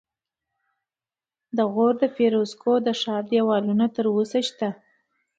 د غور د فیروزکوه د ښار دیوالونه تر اوسه شته